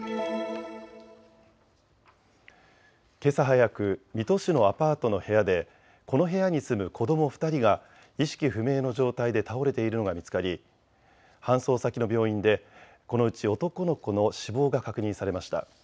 けさ早く、水戸市のアパートの部屋でこの部屋に住む子ども２人が意識不明の状態で倒れているのが見つかり搬送先の病院でこのうち男の子の死亡が確認されました。